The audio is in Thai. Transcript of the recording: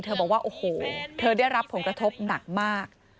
บอกว่าโอ้โหเธอได้รับผลกระทบหนักมาก